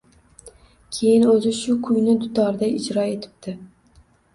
Keyin o‘zi shu kuyni dutorda ijro etibdi